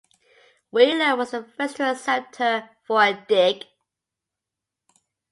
Wheeler was the first to accept her for a dig.